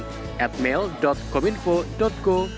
saya ilham bandung